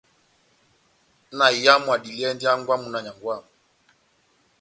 Múna oyamu adiliyɛndi hángwɛ́ wamu na nyángwɛ wamu.